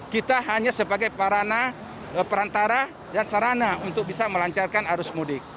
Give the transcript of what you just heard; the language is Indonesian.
kita hanya sebagai perantara dan sarana untuk bisa melancarkan arus mudik